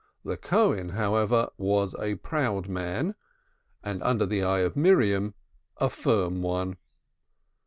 The Cohen, however, was a proud man, and under the eye of Miriam a firm one.